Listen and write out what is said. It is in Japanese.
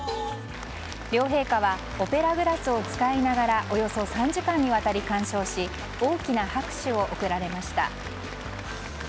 両陛下はオペラグラスを使いながらおよそ３時間にわたり鑑賞し大きな拍手を送られました。